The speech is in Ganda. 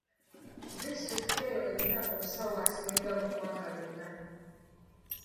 Disitulikiti eyo erina omusawo asinga mu ggwanga lyonna.